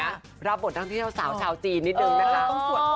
ครบรับบทที่เฉพาะสาวชาวสินนะครับ